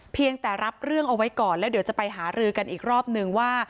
เพียงแต่รับเรื่องเอาไว้ก่อนแล้วเดี๋ยวจะไปหารือกันอีกรอบนึงว่า